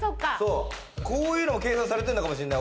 こういうのも計算されてるのかもしれない。